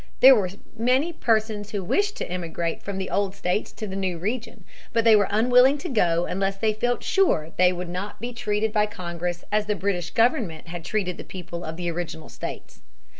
There were many persons who wished to emigrate from the old states to the new region. But they were unwilling to go unless they felt sure that they would not be treated by Congress as the British government had treated the people of the original states.